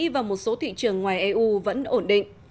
và một số thị trường ngoài eu vẫn ổn định